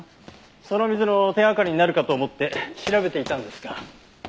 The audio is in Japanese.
その水の手がかりになるかと思って調べていたんですが。